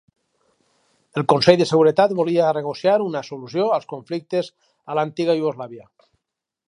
El Consell de Seguretat volia negociar una solució als conflictes a l'antiga Iugoslàvia.